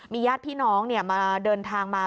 ญาติพี่น้องมาเดินทางมา